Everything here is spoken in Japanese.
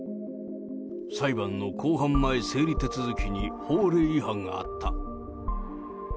裁判の公判前整理手続きに法令違反があった。